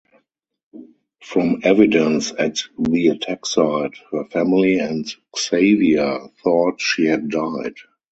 From evidence at the attack site, her family and Xavier thought she had died.